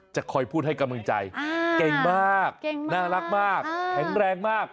จะคอยพูดให้กำลังใจเก่งมากน่ารักมากแข็งแรงมาก